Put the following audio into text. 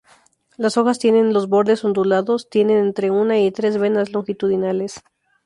Las hojas tienen los bordes ondulados, tienen entre una y tres venas longitudinales.